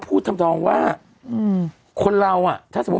ปุ๊บปุ๊บปุ๊บปุ๊บ